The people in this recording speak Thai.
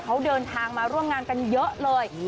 เขาเดินทางมาร่วมงานกันเยอะเลย